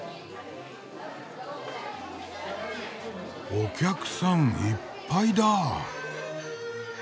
お客さんいっぱいだ。